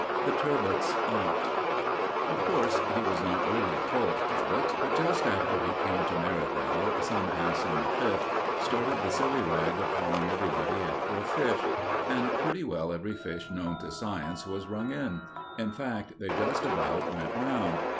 THE "TURBOT'S" AUNT Of course, he was not really called "Turbot"; but just after he came to Merivale, some ass in the Fifth started the silly rag of calling everybody after a fish, and pretty well every fish known to science was rung in. In fact, they just about went round.